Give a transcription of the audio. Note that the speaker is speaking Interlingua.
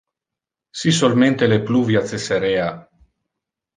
Si solmente le pluvia cessarea!